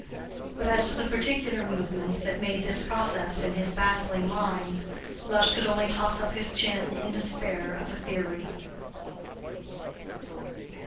But as to the particular movements that made this process in his baffling mind, Lush could only toss up his chin in despair of a theory.